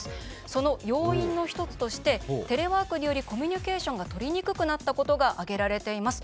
その要因の１つとしてテレワークによりコミュニケーションがとりにくくなったことが挙げられています。